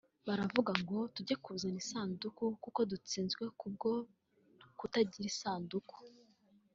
baravugana ngo tujye kuzana isanduku kuko dutsinzwe k’ubwo kutagira isanduku